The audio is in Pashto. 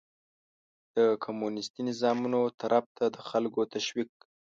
د کمونيستي نظامونو طرف ته د خلکو تشويق